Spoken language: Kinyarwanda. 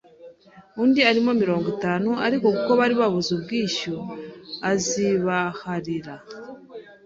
undi arimo mirongo itanu, Ariko kuko bari babuze ubwishyu azibaharira